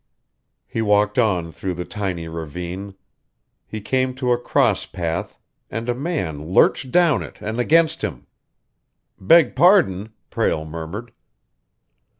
He walked on through the tiny ravine. He came to a cross path, and a man lurched down it and against him. "Beg pardon!" Prale murmured.